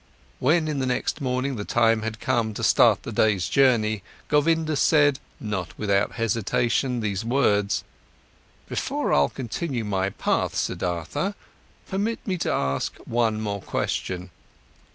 When in the next morning the time had come to start the day's journey, Govinda said, not without hesitation, these words: "Before I'll continue on my path, Siddhartha, permit me to ask one more question.